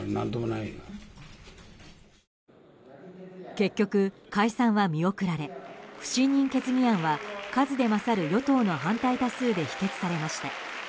結局、解散は見送られ不信任決議案は数で勝る与党の反対多数で否決されました。